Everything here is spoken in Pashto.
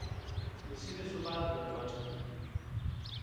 د سیمې ثبات ګډوډ کړي.